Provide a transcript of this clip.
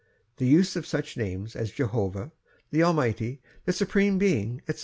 The use of such names as Jehovah, the Almighty, the Supreme Being, etc.